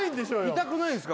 痛くないんですか？